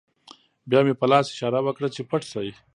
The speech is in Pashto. بیا مې په لاس اشاره وکړه چې پټ شئ